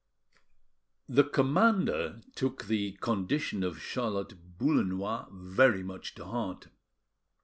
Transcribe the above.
The commander took the condition of Charlotte Boullenois very much to heart.